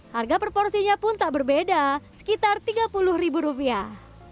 harga proporsinya pun tak berbeda sekitar tiga puluh ribu rupiah